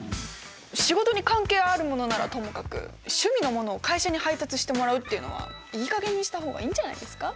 仕事に関係あるものならともかく趣味のものを会社に配達してもらうっていうのはいいかげんにした方がいいんじゃないですか？